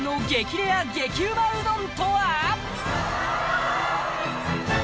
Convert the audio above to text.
レア激うまうどんとは！？